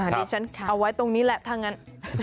ดิฉันเอาไว้ตรงนี้แหละถ้างั้น